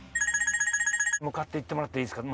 向かってもらっていいですか。